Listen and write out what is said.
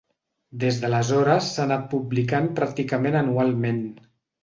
Des d'aleshores s'ha anat publicant pràcticament anualment.